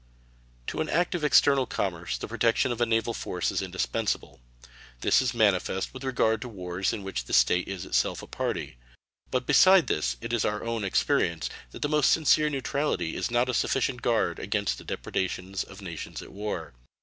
To an active external commerce the protection of a naval force is indispensable. This is manifest with regard to wars in which a State is itself a party. But besides this, it is in our own experience that the most sincere neutrality is not a sufficient guard against the depredations of nations at war.